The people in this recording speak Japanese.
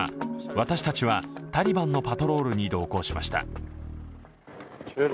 私たちはタリバンのパトロールに同行しました。